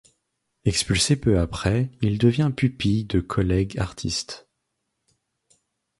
Expulsé peu après, il devient pupille de collègues artistes.